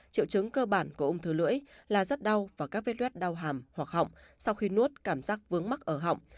triệu chứng cơ bản của ung thư lưỡi là rất đau và các vết rết đau hàm hoặc họng sau khi nuốt cảm giác vướng mắc ở họng